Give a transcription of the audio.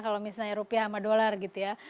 kalau misalnya rupiah sama dolar gitu ya